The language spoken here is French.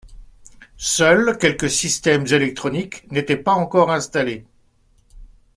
Seuls quelques systèmes électroniques n’étaient pas encore installés.